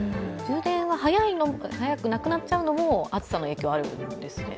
電池が早くなくなっちゃうのも暑さの影響ってあるんですか。